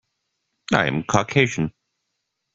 I am Caucasian.